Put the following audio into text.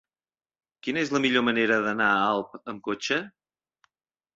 Quina és la millor manera d'anar a Alp amb cotxe?